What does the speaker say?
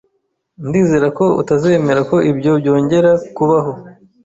Ndizera ko utazemera ko ibyo byongera kubaho.